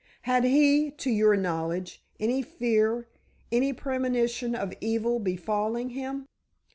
Had he, to your knowledge, any fear, any premonition of evil befalling him?"